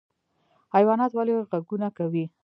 حیوانات ولې غږونه کوي؟